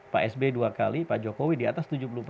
pak sby dua kali pak jokowi di atas tujuh puluh empat